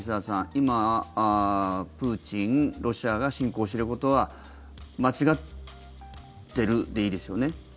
今、プーチン、ロシアが侵攻していることは間違ってるでいいですよね？